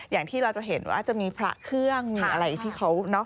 อย่างที่เราจะเห็นว่าจะมีพระเครื่องมีอะไรที่เขาเนาะ